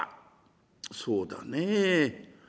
「そうだねえ。